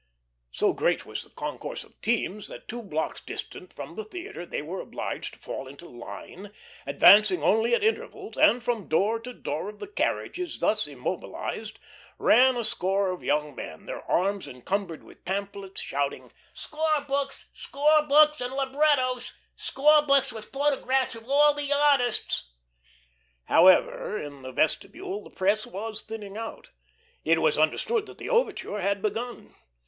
So great was the concourse of teams, that two blocks distant from the theatre they were obliged to fall into line, advancing only at intervals, and from door to door of the carriages thus immobilised ran a score of young men, their arms encumbered with pamphlets, shouting: "Score books, score books and librettos; score books with photographs of all the artists." However, in the vestibule the press was thinning out. It was understood that the overture had begun.